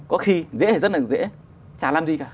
có khi dễ thì rất là dễ